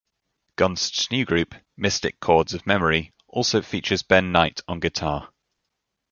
Gunst's new group, Mystic Chords Of Memory, also features Ben Knight on guitar.